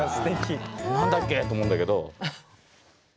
何だっけと思うんだけど。